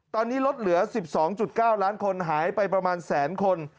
ตอนนี้ลดเหลือ๑๒๙ล้านคนหายไปประมาณแสนคน